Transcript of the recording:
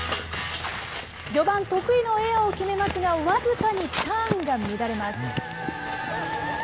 序盤、得意のエアを決めますが、僅かにターンが乱れます。